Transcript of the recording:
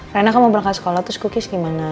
rena kamu berangkat sekolah terus cookies gimana